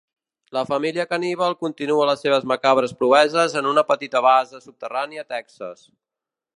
La família caníbal continua les seves macabres proeses en una petita base subterrània a Texas.